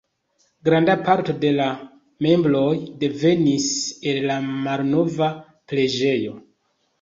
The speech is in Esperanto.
Granda parto de la mebloj devenis el la malnova preĝejo.